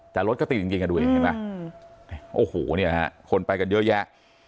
แต่รถก็ติดกันดีกันดูเห็นไหมโอ้โหคนไปกันเยอะแยะ